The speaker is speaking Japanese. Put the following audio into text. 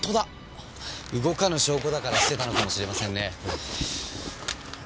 動かぬ証拠だから捨てたのかもしれませんね。